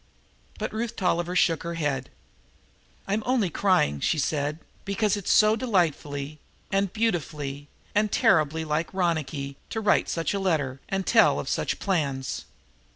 But Ruth Tolliver shook her head. "I'm only crying," she said, "because it's so delightfully and beautifully and terribly like Ronicky to write such a letter and tell of such plans.